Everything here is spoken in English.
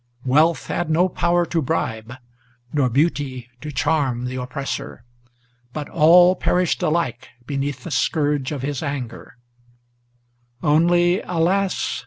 Wealth had no power to bribe, nor beauty to charm, the oppressor; But all perished alike beneath the scourge of his anger; Only, alas!